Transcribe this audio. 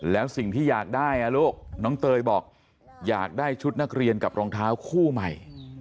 แล้วสิ่งที่อยากได้ลูกน้องเตยบอกอยากได้ชุดนักเรียนกับรองเท้าคู่ใหม่